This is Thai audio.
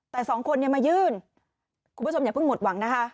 แต่สองคนเนี่ยมายื่นคุณผู้ชมอย่าเพิ่งหมดหวังนะคะ